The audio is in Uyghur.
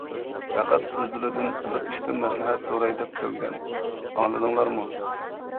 پەقەت ئۆزلىرىدىن بىر ئىشتا مەسلىھەت سوراي دەپ كەلگەن. » «ئاڭلىدىڭلارمۇ!